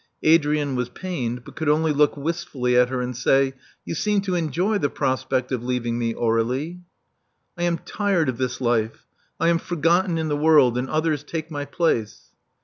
Adrian was pained, but could only look wistfully at her and say, You seem to enjoy the prospect of leav ing me, Aurdlie." I am tired of this life. I am forgotten in the world; and others take my place.